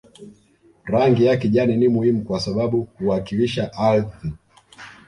Rangi ya kijani ni muhimu kwa sababu huwakilisha ardhi